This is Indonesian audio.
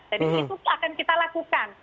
jadi itu akan kita lakukan